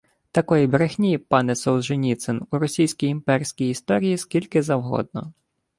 Такої брехні, пане Солженіцин, у російській імперській історії скільки завгодно: